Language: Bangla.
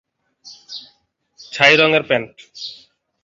ছাই রঙের প্যান্ট।